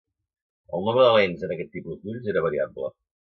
El nombre de lents en aquest tipus d'ulls era variable.